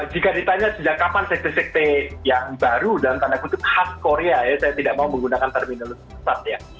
jika ditanya sejak kapan sekte sekte yang baru dalam tanda kutub khas korea saya tidak mau menggunakan terminologi susah